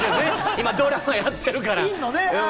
今、ドラマやってるから。